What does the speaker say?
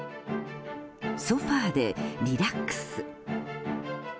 ソファでリラックス。